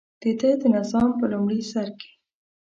دده د نظام په لومړي سر کې.